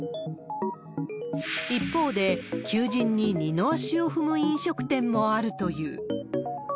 一方で、求人に二の足を踏む飲食店もあるという。